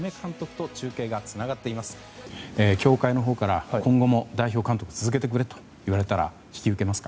協会のほうから今後も、代表監督を続けてくれと言われたら引き受けますか？